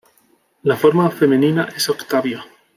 La forma femenina es "Octavia".